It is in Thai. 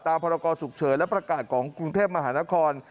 ตามภารกอร์ฉุกเฉยและประกาศของกรุงเทพมหานคร